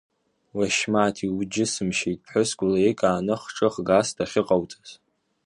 Уашьмаҭ иуџьысымшьеит ԥҳәыск улеиканны хҿыхгас дахьыҟауҵаз!